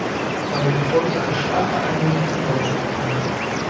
Damit erfolgte ein starker Eingriff in die Baustruktur.